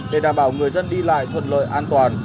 để đảm bảo người dân đi lại thuận lợi an toàn